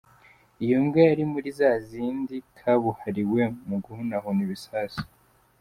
Iyo mbwa yari muri za zindi kabuhariwe mu guhunahuna ibisasu.